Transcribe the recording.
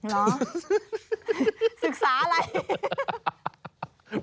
เหรอศึกษาอะไร